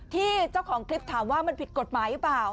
เจ้าของคลิปถามว่ามันผิดกฎหมายหรือเปล่า